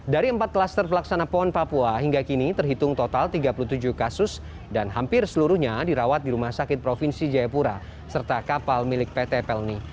dari empat klaster pelaksana pon papua hingga kini terhitung total tiga puluh tujuh kasus dan hampir seluruhnya dirawat di rumah sakit provinsi jayapura serta kapal milik pt pelni